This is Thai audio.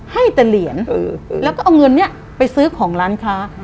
ให้แต่เหรียญแล้วก็เอาเงินนี้ไปซื้อของร้านค้า